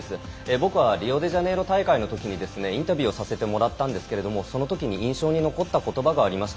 僕はリオデジャネイロ大会のときにインタビューをさせてもらいましたがそのときに印象に残ったことばがあります。